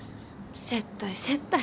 接待接待。